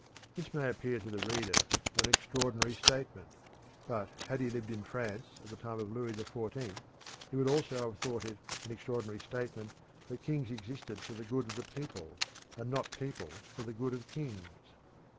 This may appear to the reader an extraordinary statement; but had he lived in France at the time of Louis XIV, he would also have thought it an extraordinary statement that kings existed for the good of the people and not people for the good of kings.